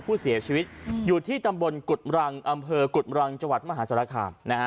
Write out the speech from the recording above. ผู้เสียชีวิตอยู่ที่ตำบลกุฎรังอำเภอกุฎรังจังหวัดมหาศาลคาม